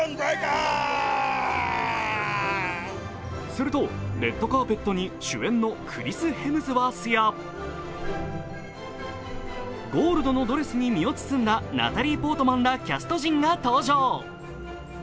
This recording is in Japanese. するとレッドカーペットに主演のクリス・ヘムズワースやゴールドのドレスに身を包んだナタリー・ポートマンらキャスト陣が登場。